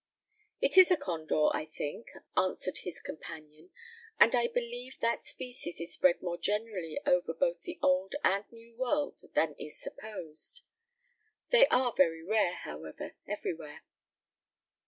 "It is a condor, I think," answered his companion; "and I believe that species is spread more generally over both the old and new world than is supposed. They are very rare, however, everywhere."